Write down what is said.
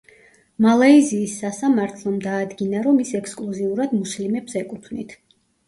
მალაიზიის სასამართლომ დაადგინა რომ ის ექსკლუზიურად მუსლიმებს ეკუთვნით.